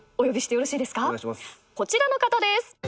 こちらの方です。